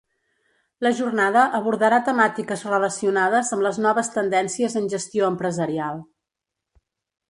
La jornada abordarà temàtiques relacionades amb les noves tendències en gestió empresarial.